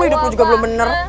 hidup lo juga belum bener